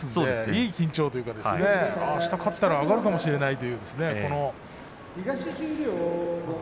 いい緊張といいますかねあした勝ったら上がるかもしれないという。